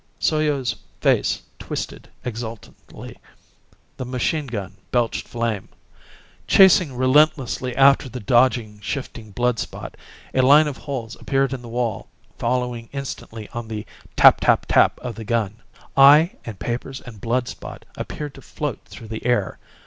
Soyo's face twisted exultantly. The machine gun belched flame. Chasing relentlessly after the dodging, shifting blood spot, a line of holes appeared in the wall following instantly on the tap tap tap of the gun. Eye and papers and blood spot appeared to float through the air.